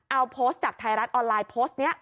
เอาโพสต์จากไทยรัฐออนไลน์โพสต์นี้